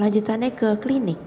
lanjutannya ke klinik